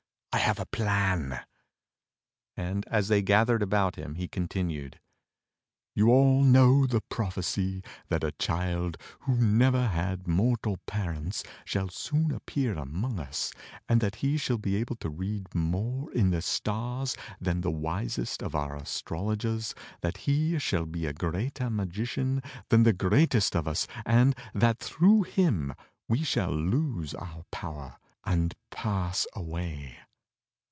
I have a plan." And as they gathered about him he continued: "You all know the prophecy — that a child who never had mortal parents shall soon appear among us, and that he shall be able to read more in the stars than the wisest of our astrologers, that he shall be G THE STORY OF KING ARTHUR a greater magician than the greatest of us, and that through him we shall lose our power and pass away?"